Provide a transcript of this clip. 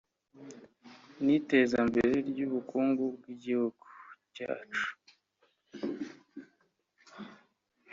n’itezambere ry’ubukungu bw’igihugu cyacu